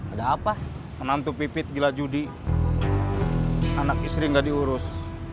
ada apa menantu pipit gila judi anak istri nggak diurus